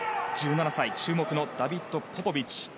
１７歳、注目のダビッド・ポポビッチ。